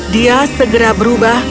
dia segera berubah